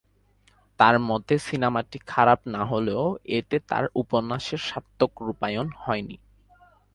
তার মতে, সিনেমাটি খারাপ না হলেও এতে তার উপন্যাসের সার্থক রূপায়ণ হয়নি।